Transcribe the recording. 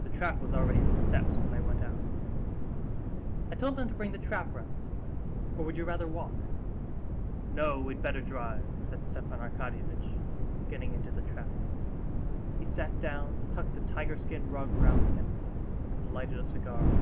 The trap was already at the steps when they went out. "I told them to bring the trap round; or would you rather walk?" "No, we'd better drive," said Stepan Arkadyevitch, getting into the trap. He sat down, tucked the tiger skin rug round him, and lighted a cigar.